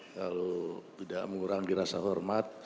kalau tidak mengurangi rasa hormat